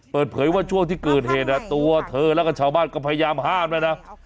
เผลอเผลอว่าช่วงที่เกิดเหตุวะเธอต้องการพยายามห้ารไปนะ